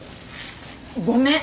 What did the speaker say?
ごめん。